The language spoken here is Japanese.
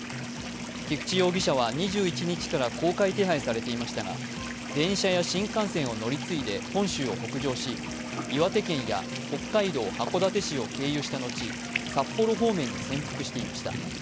菊池容疑者は２１日から公開手配されていましたが、電車や新幹線を乗り継いで本州を北上し岩手県や北海道函館市を経由した後、札幌方面に潜伏していました。